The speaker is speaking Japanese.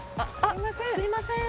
すみません。